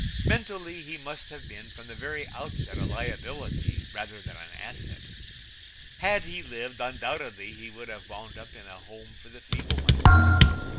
Mentally he must have been from the very outset a liability rather than an asset. Had he lived, undoubtedly he would have wound up in a home for the feeble minded.